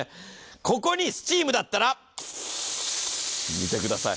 ここにスチームだったら、見てください。